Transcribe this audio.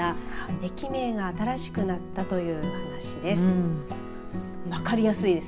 駅名が新しくなったという話です。